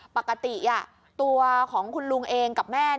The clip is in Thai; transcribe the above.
ปกติตัวของคุณลุงเองกับแม่